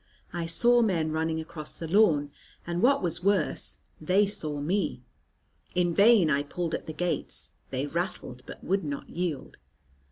I saw men running across the lawn, and, what was worse, they saw me. In vain I pulled at the gates; they rattled, but would not yield.